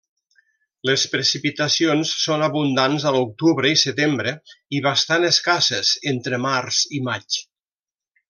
Les precipitacions són abundants a l'octubre i setembre i bastant escasses entre març i maig.